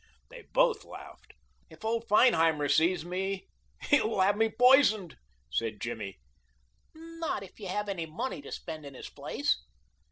They both laughed. "If old Feinheimer sees me he will have me poisoned," said Jimmy. "Not if you have any money to spend in his place."